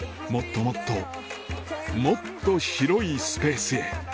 もっともっと広いスペースへ